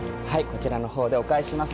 こちらの方でお返しします。